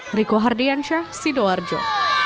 dari kuhardian syah sido arjo